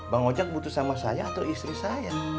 bang ojek butuh sama saya atau istri saya